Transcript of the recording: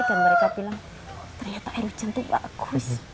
dan mereka bilang ternyata air hujan itu bagus